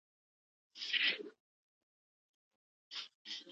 دولتي چارواکي خلکو ته ځواب ورکوي.